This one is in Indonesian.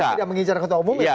jadi tidak mengijar ketua umum ya